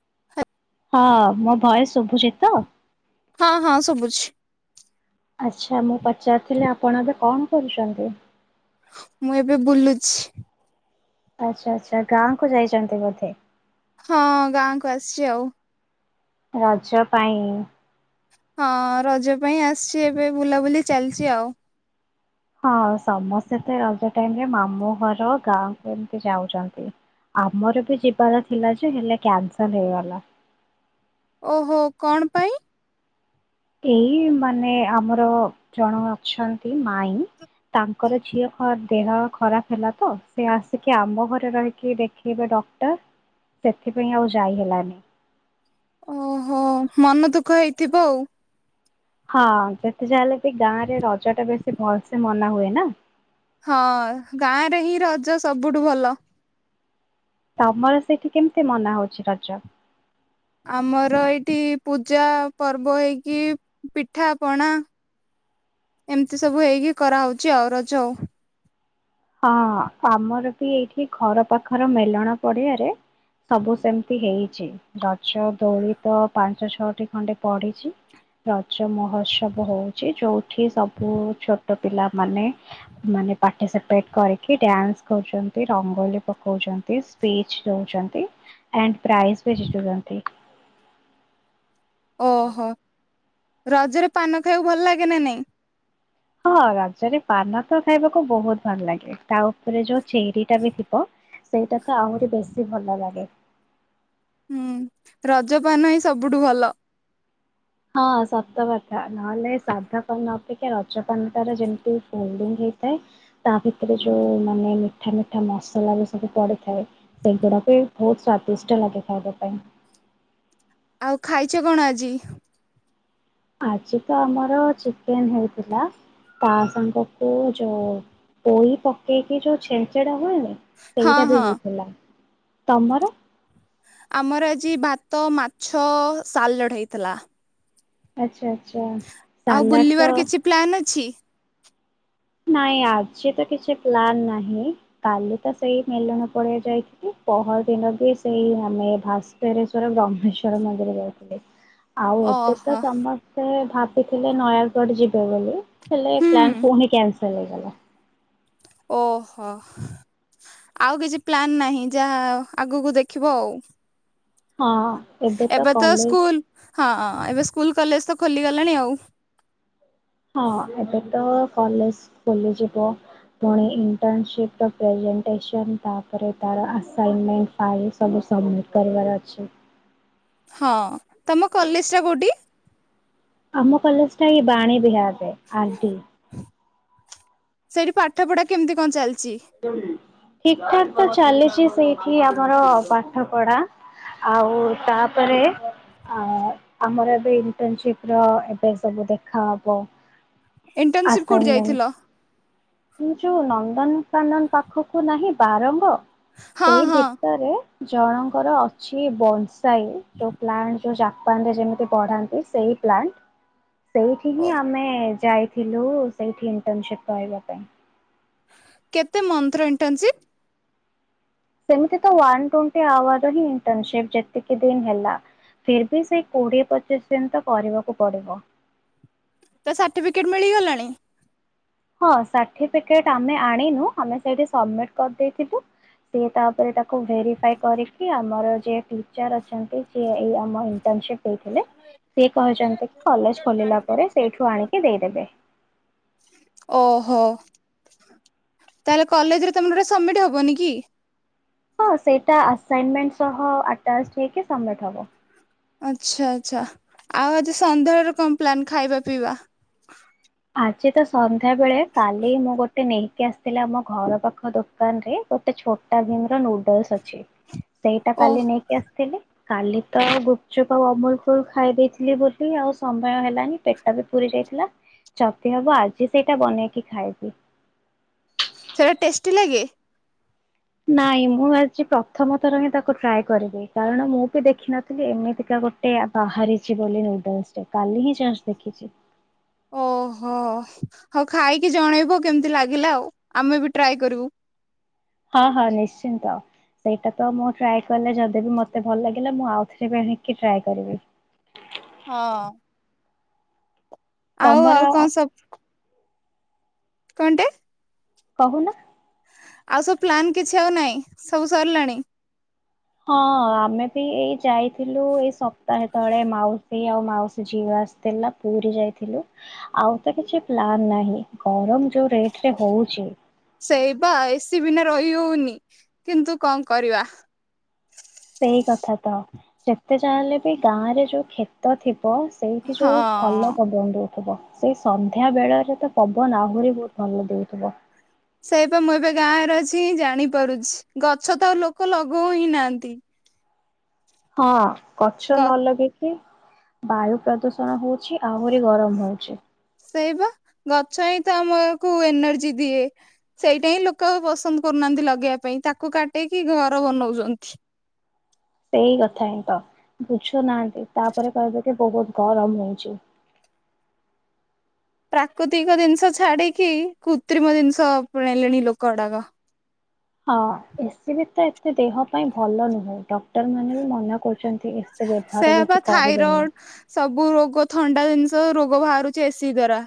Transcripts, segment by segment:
[unintelligible] ହଁ ମୋ ଭଏସ ଶୁଭୁଚିତ? ହଁ ହଁ ସୁବୁଛି। ଆଚ୍ଛା ମୁଁ ପଚାରିଥିଲି ଆପଣ ଏବେ କଣ କରୁଛନ୍ତି? ମୁଁ ଏବେ ବୁଲୁଛି। ଆଚ୍ଛା ଆଚ୍ଛା ଗାଁ କୁ ଯାଇଛନ୍ତି ବୋଧେ। ହଁ ଗାଁକୁ ଆସିଛି ଆଉ। ରଜ ପାଇଁ ହଁ ରଜ ପାଇଁ ଆସିଛି ଏବେ ବୁଲାବୁଲି ଚାଲିଛି ଆଉ। ହଁ ସମସ୍ତେ ତ ରଜ ଟାଇମରେ ମାମୁଁ ଘର ଗାଁକୁ ଏମତି ଯାଉଛନ୍ତି ଆମର ବି ଯିବାର ଥିଲା ଯେ ହେଲେ କ୍ୟାନସଲ୍ ହେଇଗଲା। ଓହୋ କଣ ପାଇଁ? ଏଇ ମାନେ ଆମର ଜଣେ ଅଛନ୍ତି ମାଇଁ ତାଙ୍କର ଝିଅ କଣ ଦେହ ଖରାପ ହେଲା ତ ସେ ଆସିକି ଆମ ଘରେ ରହିକି ଦେଖେଇଲେ ଡକ୍ଟର ସେଥିପାଇଁ ଆଉ ଯାଇ ହେଲାନି। ଓହୋ ମନ ଦୁଃଖ ହେଇଥିବ ଆଉ। ହଁ ଯେତେ ଯାହା ହେଲେ ବି ଗାଁ ରେ ରଜ ଟା ବେଶୀ ଭଲସେ ମନା ହୁଏ ନା। ହଁ ଗାଁ ରେ ହିଁ ରଜ ସବୁଠୁ ଭଲ। ତମର ସେଇଠି କେମ ତି ମନା ହଉଛି ରଜ? ଆମର ଏଇଠି ପୂଜା ପର୍ବ ହେଇକି ପିଠା ପଣା ଏମିତି ସବୁ ହେଇକି କରାହଉଛି ଆଉ ରଜ ଆଉ। ହଁ ଆମର ବି ଏଇଠି ଘର ପାଖର ମେଲଣ ପଡିଆରେ ସବୁ ସେମିତି ହେଇଛି, ରଜ ଦୋଳି ତ ପାଞ୍ଚ ଛଅଟି ଖଣ୍ଡେ ପଡିଛି ରଜ ମହୋତ୍ସବ ହଉଛି ଯୋଉ ଏଠି ସବୁ ଛୋ ଛୋଟ ପିଲା ମାନେ ମାନେ ପାର୍ଟିସିପେଟ କରିକି ଡ୍ୟାନ୍ସ କରୁଛନ୍ତି, ରଙ୍ଗୋଲି ପକଉଛନ୍ତି ସ୍ପିଚ ଦଉଛନ୍ତି ଆ ପ୍ରାଇଜ ବି ଜିତୁଛନ୍ତି। ଓହୋ ରଜରେ ପାନ ଖାଇକୁ ଭଲ ଲାଗେ ନା ନାଇଁ? ହଁ ରଜରେ ପାନତ ଖାଇବାକୁ ବହୁତ ଭଲ ଲାଗେ ତା ଉପରେ ଯୋଉ ଚେରି ଟା ବି ଥିବ ସେଇଟା ତ ଆହୁରି ବେଶୀ ଭଲ ଲାଗେ। ହୁଁ ରଜପାନ ହିଁ ସବୁଠୁ ଭଲ। ହଁ ସତକଥା ନହେଲେ ସାଧା ପାନ ଅପେକ୍ଷା ରଜପାନ ଟା ର ଯେମିତି ଫୋଲଡିଙ୍ଗ ହେଇଥାଏ ତା ଭିତରେ ଯୋଉ ମାନେ ମିଠା ମିଠା ମସଲା ବି ସବୁ ପଡିଥାଏ। ସେ ଗୁଡାକ ଏଇ ବହୁତ ସ୍ଵାଦିଷ୍ଟ ଲାଗେ ଖାଇବା ପାଇଁ। ଆଉ ଖାଇଛ କଣ ଆଜି? ଆଜି ତ ଆମର ଚିକେନ ହେଇଥିଲା ତା ସାଙ୍ଗକୁ ଯୋଉ ପୋଇ ପକେଇକି ଯୋଉ ଛେଞ୍ଚେଡା ହୁଏନି ହଁ ସେଇଟା ବି ହଁ। ହେଇଥିଲା। ତମର ଆମର ଆଜି ଭାତ ମାଛ ସାଲଡ୍ ହେଇଥିଲା। ଆଚ୍ଛା। ଆଚ୍ଛା ଆଉ, ସାଲାଡ଼ ତ ବୁଲିବାର କିଛି ପ୍ଲାନ୍ ଅଛି? [unintelligible] ନାଇଁ, ଆଜି ତ କିଛି ପ୍ଲାନ୍ ନାହିଁ। କାଲି ତ ସେଇ ମେଲଣ ପଡିଆ ଯାଇଥିଲି। ପହର ଦିନ ବି ସେଇ ଆମେ ଭାସ୍କରେଶ୍ଵର, ବ୍ରହ୍ମେଶ୍ଵର ମନ୍ଦିର ଯାଇଥିଲେ। ଆଉ, ଏବେ ତ ଓହୋ ସମସ୍ତେ ଭାବ। ଥିଲେ ନୟାଗଡ ଯିବେ ବୋଲି। ହେଲେ ହୁଁ ପ୍ଲାନ୍ ପୁଣି କ୍ୟାନ୍ସେଲ୍ ହେଇଗଲା। ଓହୋ, ଆଉ କିଛି ପ୍ଲାନ ନାହିଁ। ଯାହା ଆଗକୁ ଦେଖିବ ଆଉ। ହଁ, ଏବେ ତ କଲେଜ। ହଁଁ, ହଁ, ହଁ। ଏବେ ସ୍କୁଲ, କଲେଜ ତ ଖୋଲିଗଲାଣି ଆଉ। ହଁ ଏବେ ତ କଲେଜ ଖୋଲିଯିବ। ପୁଣି ଇଣ୍ଟର୍ନସିପ୍ ର ପ୍ରେଜେଣ୍ଟେସନ୍, ତାପରେ ତାର ଆସାଇନମେଣ୍ଟ୍, ଫାଇଲ୍ ସବୁ ସବମିଟ୍ କରିବାର ଅଛି। ହଁ। ତମ କଲେଜ ଟା କୋଉଠି? ଆମ କଲେଜ ଟା ଏଇ ବାଣୀ ବିହାର। ଆଣ୍ଟି। ସେଇଠି ପାଠ ପଢା କେମିତି, କଣ ଚାଲିଛି? [unintelligible] ଠିକ୍ ଠାକ୍ ତ ଚାଲିଛି ସେଇ। ଛି, ଆମର ପାଠପଢା। ଆଉ, ତାପରେ, ଆ, ଆମର ଏବେ ଇଣ୍ଟର୍ନସିପ୍ ର ଏବେ ସବୁ ଦେଖା ହବ। ଇଣ୍ଟର୍ନସିପ୍ କୋଉଠି ଯାଇଥିଲ। ମୁ ଯୋଉଁ ନନ୍ଦନ କାନନ ପାଖକୁ ନାହିଁ ବାରଙ୍ଗ। ହଁ ସେଇ ହଁ ଭିତରେ ଜଣଙ୍କର ଅଛି ବନ୍ସ୍। [unintelligible] ଯୋଉ ପ୍ଲାଣ୍ଟ୍। ଯୋଉ ଜାପାନ ରେ ଯେମିତି ପଢ଼ାନ୍ତି, ସେଇ ପ୍ଲାଣ୍ଟ୍। ସେଇଠି ଓ ହିଁ ଆମେଁ। ଯାଇଥିଲୁ, ସେଇଠି ଇଣ୍ଟର୍ନସିପ୍ କରିବା ପାଇଁ। କେତେ ମନ୍ଥ୍ ର ଇଣ୍ଟର୍ନସିପ୍? ସେମିତି ତ ୱାନ୍ ଟୋନ୍ତି ଆୱାର୍ ର ହି ଇଣ୍ଟର୍ନସିପ୍ ଯେତିକି ଦିନ ହେଲା, ଫିର ବି ସେଇ କୋଡିଏ ପଚିଶ୍ ଦିନ୍ ତ କରିବାକୁ ପଡିବ। ତ, ସାର୍ଟିଫିକେଟ ମିଳିଗଲାଣି। ହଁ, ସାର୍ଟିଫିକେଟ୍ ଆମେ ଆଣିନୁ। ଆମେ ସେଇଠି ସବମିଟ୍ କରିଦେଇଥିବୁ। ସେ ତାପରେ ତା। କୁ ଭେରିଫାଇ କରିିକି, ଆ। ଆମର ଯିଏ ଟିଚର ଅଛ। [inaudible] ସିଏ ଆମ ଇଂଟର୍ନସିପ ଦେଇଥିଲେ, ସେ କହିଛନ୍ତି କଲେଜ ଖୋଲିଲା ପରେ ସେଇଠୁ ଆଣିକି ଦେଇଦେବେ। ଓହୋ ତାହଲେ କଲେଜରେ ତମର ସବମିଟ ହବନି କି? ହଁ ସେଇଟା ଆସାଇନମେଣ୍ଟ ସହ ଆଟାଚ ହେଇକି ସବମିଟ ହବ। ଆଚ୍ଛା ଆଚ୍ଛା ଆଉ ଆଜି ସନ୍ଧ୍ୟାବେଳେ କଣ ପ୍ଲାନ ଖାଇବା ପିଇବା? [unintelligible] [unintelligible] ବେଳେ କାଲି ମୁଁ ଗୋଟେ ଗୋଟେ ନେଇକି ଆସିଥିଲା ଆମ ଘର ପାଖ ଦୋକାନରେ ଗୋଟେ ଛୋଟା ଭିମର ନୁଡଲସ ଅଛି। ସେଇଟା ଓ କାଲି ନେଇକି ଆସିଥିଲି। କାଲି ତ ଗୁପଚୁପ ଆଉ ଅମୁଲ ଖାଇ ଦେଇଥିଲି ବୋଲି ଆଉ ସମୟ ହେଲାନି ପେଟ ବି ପୁରି ଯାଇଥିଲା। ଯଦି ହବ ଆଜି ସେଇଟା ବନେଇକି ଖାଇବି। ସେଟା ଟେଷ୍ଟି ଲାଗେ? ନାଇଁ ମୁଁ ଆଜି ପ୍ରଥମ ଥର ହିଁ ତାକୁ ଟ୍ରାଏ କରିବି କାରଣ ମୁଁ ବି ଦେଖିନଥିଲି ଏମିତିକା ଗୋଟେ ବାହାରିଛି ବୋଲି ନୁଡଲସ କାଲି ହିଁଜଷ୍ଟ ଦେଖିଛି। ଓହୋ, ହଉ ଖାଇକି ଜଣେଇବୁ କେମିତି ଲାଗିଲା ଆଉ ଆମେ ବି ଟ୍ରାଏ କରିବୁ। ହଁ ହଁ ନିଶ୍ଚିନ୍ତ ସେଇଟା ତ ମୁଁ ଟ୍ରାଏ କଲେ ଯଦି ବି ମତେ ଭଲ ଲାଗିଲା ମୁଁ ଆଉଥରେ ବିି ଆଣିକି ଟ୍ରାଏ କରିବି। ହଁ। ଆଉ ତମର ଆଉ କଣ ସବୁ କଣଟେ? କହୁନ? ଆଉ ସବୁ ପ୍ଲାନ୍ କିଛି ଆଉ ନାଇଁ ସବୁ ସରିଲାଣି। ହଁ ଆମେ ବି ଏଇ ଯାଇ ଥିଲୁ ଏଇ ସପ୍ତାହେ ତଳେ ମାଉସୀ ମାଉସୀ ଆଉ ମାଉସୀ ଝିଅ ଆସିଥିଲା ପୁରୀ ଯାଇଥିଲୁ ଆଉ ତ କିଛି ପ୍ଲାନ ନାହିଁ ଗରମ ଯୋଉ ରେଟରେ ହଉଛି। ସେଇ ବା ଏସି ବିନା ରହି ହଉନି, କିନ୍ତୁ କଣ କରିବା? ସେଇ କଥା ତ ଯେତେ ଜାଣଲେ ବି ଗାଁରେ ଯୋଉ କ୍ଷେତ ଥିବ ସେଇଠି ଯୋଉ ଭଲ ହଁ। ପବନ ଦେଉଥିବ। ସେଇ ସନ୍ଧ୍ୟା ବେଳରେ ତ ପବନ ଆହୁରି ବହୁତ ଭଲ ଦେଉଥିବ। ସେଇ ପା ମୁଁ ଏବେ ଗାଁରେ ଅଛି ଜାଣିପାରୁଛି ଗଛ ତ ଆଉ ଲୋକ ଲଗାଉ ହିଁ ନାହାନ୍ତି। ହଁ। ଗଛ ଗ ନ ଲଗେଇଲେ ବାୟୁ ପ୍ରଦୂଷଣ ହଉଛି, ଆହୁରି ଗରମ ହଉଛି। ସେଇ ପା ଗଛ ହିଁ ତ ଆମକୁ ଏନର୍ଜି ଦିଏ ସେଇଟା ହିଁ ଲୋକ ପସନ୍ଦ କରୁନାହାନ୍ତି ଲଗେଇବା ପାଇଁ ତାକୁ କାଟିକି ଘର ବନଉଛନ୍ତି। ସେଇ କଥା ହିଁ ତ ବୁଝୁନାହାନ୍ତି ତାପରେ କହିବେ କି ବହୁତ ଗରମ ହଉଛି। ପ୍ରାକୃତିକ ଜିନିଷ ଛାଡିକି କୃତ୍ରିମ ଜିନିଷ ଆପଣେଇଲେଣି ଲୋକ ଗୁଡାକ। ହଁ ଏସି ବି ତ ଏତେ ଦେହ ପାଇଁ ଭଲ ନୁହେଁ ଏଟା। ମାନେ ବି ମନା କରୁଛନ୍ତି ଏସି ବ୍ୟବହାର ସେୟା ପା ବେଶୀ କରିବନି। ଥାଇରଏଡ ସବୁ ରୋଗ ଥଣ୍ଡା ଜିନିଷ ରୋଗ ବାହାରୁଛି ଏସିି ଦ୍ଵାରା।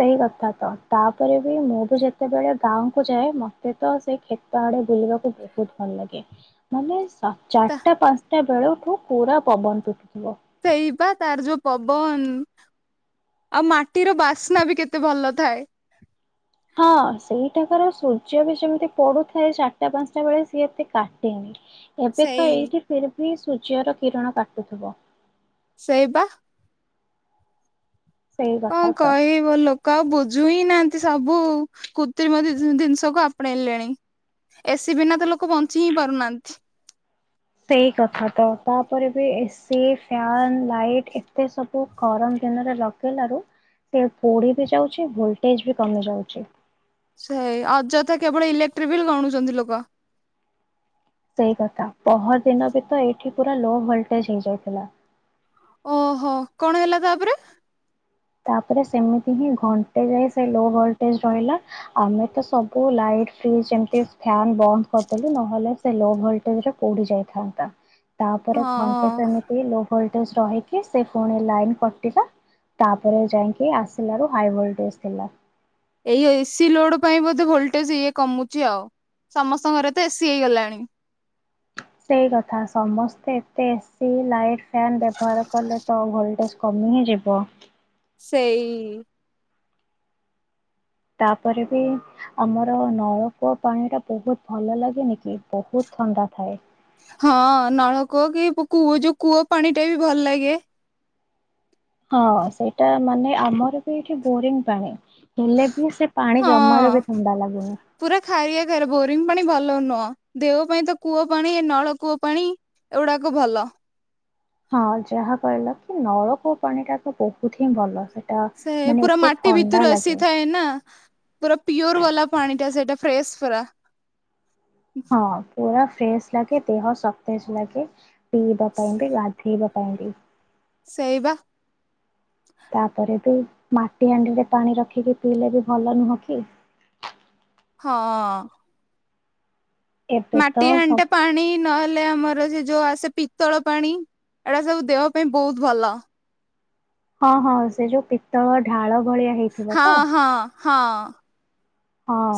ସେଇକଥା ତ ତାପରେ ବି ମୁଁ ବି ଯେତେବେଳେ ଗାଁକୁ ଯାଏ ମତେ ତ ସେଇ କ୍ଷେତ ଆଡେ ବୁଲିବାକୁ ବହୁତ ଭଲ ଲାଗେ। ମାନେ ଚାରିଟା ପାଞ୍ଚଟା ବେଳକୁ ଠୁ ପୁରା ପବନ ପିଟୁଥିବ। ସେଇ ବା ତାର ଯୋଉ ପବନ ଆଉ ମାଟିର ବାସ୍ନା ବି କେତେ ଭଲ ଥାଏ। ହଁ ସେଇଠାକାର ସୂର୍ଯ୍ୟ ବି ସେମିତି ପଡୁଥାଏ ଚାରିଟା ପାଞ୍ଚଟା ବେଳେ ସିଏ ଏତେ କାଟେନି। ସେଇ ଏବେତ ଏଇଠି ଫି ସେଠିସୂର୍ଯ୍ୟର କିରଣ କାଟୁଥିବ। ସେଇପା। ସେଇ କଣ କଥା ତ। କହିଵି ବୋ ଲୋ କ ବୁଝୁ ହିଁ ନାହାନ୍ତି ସବୁ କୃତ୍ରିମ ଜି-ଜି ଜିନିଷକୁ ଆପଣେଇଲେଣି ଏସି ବିନା ତ ଲୋକ ବଞ୍ଚି ହିଁ ପାରୁନାହାନ୍ତି। ସେଇ କଥା ତ ତାପରେ ବି ଏସି ଫ୍ୟାନ୍ ଲାଇଟ୍ ଏତେ ସବୁ ଗରମ ଦିନରେ ଲଗେଇଲାରୁ ସେ ପୋଡି ବି ଯାଉଛି ଭୋଲଟେଜ ବି କମି ଯାଉଛି। ସେଇ ଅଯଥା କେବଳ ଇଲେକ୍ଟ୍ରି ବିଲ୍ ଗଣୁଛନ୍ତି ଲୋକ। ସେଇ କଥା ପହର ଦିନ ବି ତ ଏଇଠି ପୁରା ଲୋ ଭୋଲଟେଜ ହେଇଯାଉଥିଲା। ଓହୋ କଣ ହେଲା ତାପରେ? ତାପରେ ସେମିତି ହିଁ ଘଣ୍ଟେ ଯାଇ ସେ ଲୋ ଭୋଲଟେଜ ରହିଲା ଆମେ ତ ସବୁ ଲାଇଟ ଫ୍ରିଜ ଏମତି ଫ୍ୟାନ ବନ୍ଦ କରିଦେଲୁ ନହେଲେ ସେ ଲୋ ଭୋଲଟେଜରେ ପୋଡି ଯାଇଥାନ୍ତା। ତାପରେ ହଁ ଘଣ୍ଟେ ସେମିତି ଲୋ ଭୋଲଟେଜ ରହିକି ସେ ପୁଣି ଲାଇନ କଟିଲା। ତାପରେ ଯାଇଁକି ଆସିଲାରୁ ହାଇ ଭୋଲଟେଜ ଥିଲା। ଏଇ ଏସି ଲୋଡ ପାଇଁ ବୋଧେ ଭୋଲଟେଜ ଇଏ କମୁଛି ଆଉ ସମସ୍ତଙ୍କ ଘରେ ତ ଏସି ହେଇଗଲାଣି। ସେଇ କଥା ସମସ୍ତେ ଏତେ ଏସି ଲାଇକ୍ ଫ୍ୟାନ୍ ବ୍ୟବହାର କଲେ ତ ଭୋଲଟେଜ କମି ହିଁ ଯିବ। ସେଇ ତାପରେ ବି ଆମର ନଳକୂଅ ପାଣି ଟା ବହୁତ ଭଲ ଲାଗେନି କି ବହୁତ ଥଣ୍ଡା ଥାଏ। ହଁ ନଳକୂଅ କି କୂଅ ଯୋଉ କୂଅ ପାଣି ଟା ବି ଭଲ ଲାଗେ। ହଁ ସେଇଟା ମାନେ ଆମର ବି ଏଠି ବୋରିଂ ପାଣି। ହେଲେ ବି ସେ ପାଣି ହଁ ଜମାରୁ ବି ଥଣ୍ଡା ଲାଗୁନି। ରିଂ ପାଣି ଭଲ ନୁହଁ ଦେହ ପାଇଁ ତ କୂଅ ପାଣି ନଳ କୂଅ ପାଣି ଏଗୁଡାକ ଭଲ। ହଁ ଯାହା କହିଲ କି ନଳକୂଉ ପାଣି ଟା ତ ବହୁତ ହିଁ ଭଲ ସେଟା। ସେ ମାନେ ପୁରା ଏତେ ମାଟି ଥଣ୍ଡା ଭିତରୁ ଲାଗେ ଆସିଥାଏ ନା। ପୁରା ପିଓର ବାଲା ପାଣି ଟା ସେଇଟା ଫ୍ରେଶ୍ ପୁରା। ହଁ ପୁରା - ଫ୍ରେଶ ଲାଗେ ଦେହ ସତେଜ ଲାଗେ। ପିଇବା ପାଇଁ ବି ଗାଧେଇବା ଆହୁରି ସେଇବା ତାପରେ ବି ମାଟି ହାଣ୍ଡିରେ ପାଣି ରଖିକି ପିଇଲେ ବି ଭଲ ନୁହଁ କି? ହଁ ଏବେ ମାଟି ତ ସବ ହାଣ୍ଡିଟା ପାଣି ନ ଲେ ଆମର ସେ ଯୋଉ ଆସେ ପିତ୍ତଳ ପାଣି ଏଡା ସବୁ ଦେବା ପାଇଁ ବହୁତ ଭଲ। ହଁ ହଁ ସେ ଯୋଉ ପିତ୍ତଳ ଢାଳ। ଭଳିଆ ହେଇଥିବ ହଁ ତ ହଁ ହଁ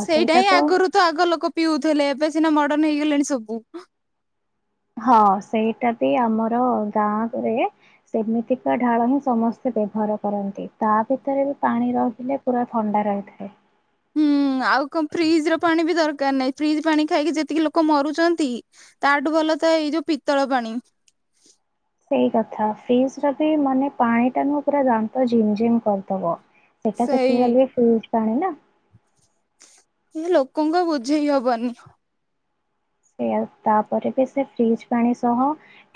ସେଇଟା ହିଁ ଆଗରୁ ତ ଆଗ ଲୋକ ପିଉଥିଲେ ଏବେ ସିନା ମଡର୍ନ ହେଇଗଲେଣି ସବୁ। ହଁ ସେଇଟା ବି ଆମର ଗାଁରେ ସେମିତିକା ଢାଳ ହିଁ ସମସ୍ତେ ବ୍ୟବହାର କରନ୍ତି ତା ଭିତରେ ବି ପାଣି ରହିଲେ ପୁରା ଥଣ୍ଡା ରହିଥାଏ। ହୁଁ ଆଉ କଣ ଫ୍ରିଜ ର ପାଣି ବି ଦରକାର ନାହିଁ ଫ୍ରିଜ ପାଣି ଖାଇକି ଯେତିକି ଲୋକ ମରୁଛନ୍ତି ତାଠୁ ଭଲ ଥାଏ ଏଇ ଯୋଉ ପିତ୍ତଳ ପାଣି। ସେଇ କଥା ଫ୍ରିଜ୍ ର ବି ମାନେ ପାଣି ଟା ନୁ ପୁରା ଦାନ୍ତ ଝିମଝିମ କରିଦବ। ସେଇଟା ସେଇ ସେତିକି ହେଲେ ଫ୍ରିଜ ପାଣି ନା। ସେ ଲୋକଙ୍କ ବୁଝେଇ ହବନି। ସେଉ ତାପରେ ବି ସେ ଫ୍ରିଜ ପାଣି ସହ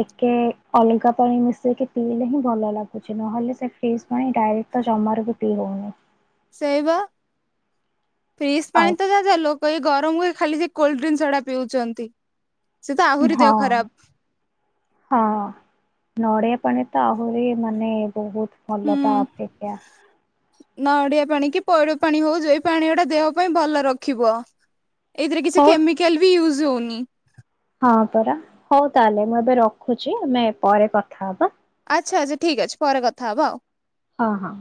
ଟିକେ ଅଲଗା ପାଣି ମିଶେଇକି ପିଇଲେ ହିଁ ଭଲ ଲାଗୁଛି ନହେଲେ। ସେ ଫ୍ରିଜ୍ ପାଣି ଟା। ତ ଜମାରୁ ବି ପି ହଉନି। ସେଇବା। ଫ୍ରିଜ ଆଉ ପାଣି ତ ଯା ଲୋକ। ଗରମ ହୁଏ ଖାଲି ସେ କୋଲ୍ଡରୀଙ୍କ ଗୁଡା ପିଉଛନ୍ତି। ସେ ତ ଆହୁରି ହଁ ଦେହ ଖରାପ ହଁ ନୋଡ଼େ। ମାନେ ତାହେଲେ ମାନେ। ବହୁତ ହୁଁ ଭଲତା ଅପେକ୍ଷା ନଡିଆ ପାଣି କି ପଇଡ ପାଣି ହଉଛି ଏଇ ପାଣି ଗୁଟା ଦେହ ପାଇଁ ଭଲ ରଖିବ। ଏଇଥିରେ କିଛି ହଉ କେମିକାଲ ବି ଇଉଜ ଜୋନି। ହଁ ପରା ହଉ ତାହଲେ ମୁଁ ଏବେ ରଖୁଛି ଆମେ ପରେ କଥା ହବା। ଆଚ୍ଛା ଆଚ୍ଛା ଠିକ୍ ଅଛି ପରେ କଥା ହବ ଆଉ। ହଁ ହଁ